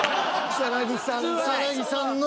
草さんの。